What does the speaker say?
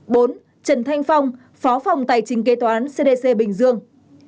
bốn trần thanh phong phó phòng tài chính kế toán cdc bình dương